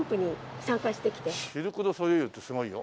シルク・ドゥ・ソレイユってすごいよ？